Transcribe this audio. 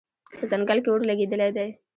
په ځنګل کې اور لګېدلی دی